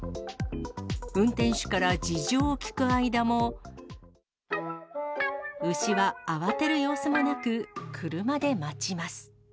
運転手から事情を聴く間も、牛は慌てる様子もなく、車で待ちます。